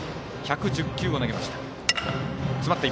１１０球を投げました。